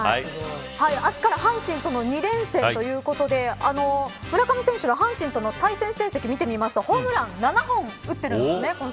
明日から阪神との２連戦ということで村上選手が阪神との対戦成績を見てみるとホームラン７本を打っているんですね。